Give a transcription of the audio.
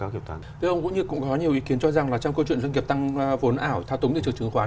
thưa ông vũ nhược cũng có nhiều ý kiến cho rằng trong câu chuyện doanh nghiệp tăng vốn ảo thao túng từ trường chứng khoán